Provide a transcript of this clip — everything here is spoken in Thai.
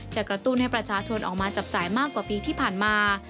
กระตุ้นให้ประชาชนออกมาจับจ่ายมากกว่าปีที่ผ่านมา